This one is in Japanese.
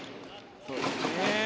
そうですね。